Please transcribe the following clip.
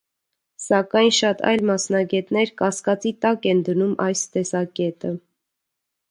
Սակայն շատ այլ մասնագետներ կասկածի տակ են դնում այս տեսակետը։